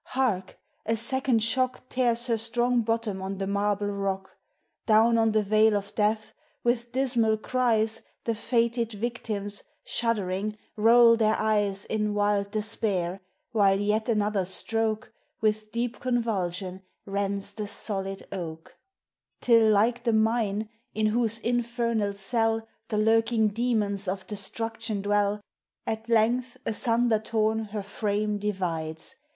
hark! a second shock Tears her strong bottom on the marble rock: Down on the vale of death, with dismal cries, The fated victims, shuddering, roll their eyes In wild despair; while vet another stroke, With, deep convulsion, rends the solid oak; Till like the mine, in whose infernal cell The lurking demons of destruction dwell, At length asunder torn her frame divides.